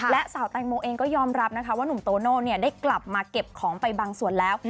และสาวแตงโมเองก็ยอมรับนะคะว่าหนุ่มโตโน่ได้กลับมาเก็บของไปบางส่วนแล้ว